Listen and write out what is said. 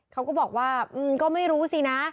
เขาก็บอกว่าก็ไม่รู้สินะ